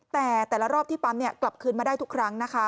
แต่แต่ละรอบที่ปั๊มกลับคืนมาได้ทุกครั้งนะคะ